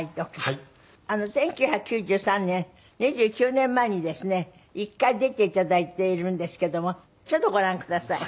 １９９３年２９年前にですね１回出て頂いているんですけどもちょっとご覧ください。